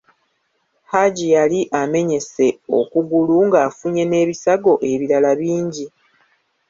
Haji Yali amenyese okugulu ng'afunnye n'ebisago ebirala bingi.